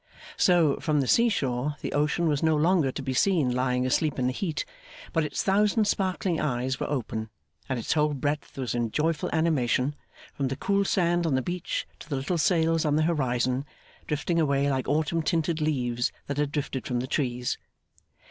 So, from the seashore the ocean was no longer to be seen lying asleep in the heat, but its thousand sparkling eyes were open, and its whole breadth was in joyful animation, from the cool sand on the beach to the little sails on the horizon, drifting away like autumn tinted leaves that had drifted from the trees.